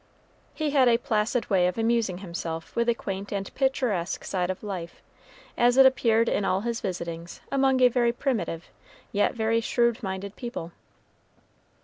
He had a placid way of amusing himself with the quaint and picturesque side of life, as it appeared in all his visitings among a very primitive, yet very shrewd minded people.